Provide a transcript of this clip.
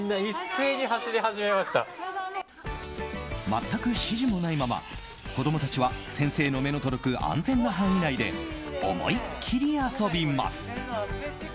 全く指示もないまま子供たちは先生の目の届く安全な範囲内で思いっきり遊びます。